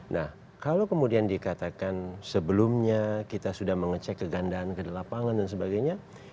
nah kalau kemudian dikatakan sebelumnya kita sudah mengecek kegandaan ke lapangan dan sebagainya